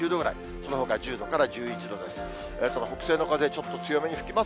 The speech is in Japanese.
そのほか１０度から１１度です。